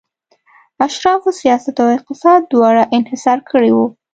اشرافو سیاست او اقتصاد دواړه انحصار کړي وو